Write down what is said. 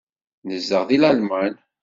Nezdeɣ deg Lalman.